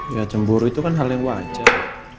ya cemburu itu kan hal yang wajar